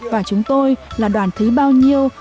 và chúng tôi là đoàn thứ bao nhiêu